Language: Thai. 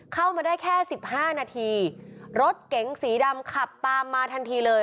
เข้ามาได้แค่สิบห้านาทีรถเก๋งสีดำขับตามมาทันทีเลย